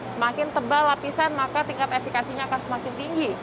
semakin tebal lapisan maka tingkat efekasinya akan semakin tinggi